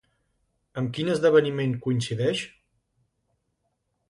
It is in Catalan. Amb quin esdeveniment coincideix?